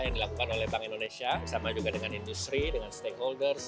yang dilakukan oleh bank indonesia sama juga dengan industri dengan stakeholders